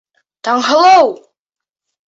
Таңһылыу!